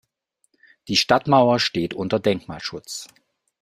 Die Stadtmauer steht unter Denkmalschutz.